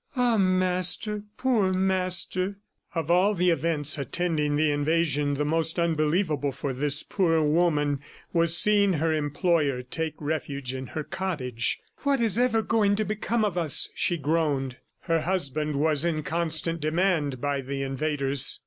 "Ah, Master. ... Poor Master!" Of all the events attending the invasion, the most unbelievable for this poor woman was seeing her employer take refuge in her cottage. "What is ever going to become of us!" she groaned. Her husband was in constant demand by the invaders.